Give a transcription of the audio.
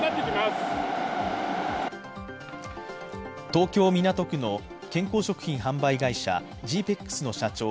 東京・港区の健康食品販売会社Ｇ−ＰＥＸの社長